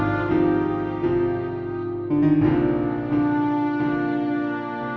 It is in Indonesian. gue ngerasa sama citra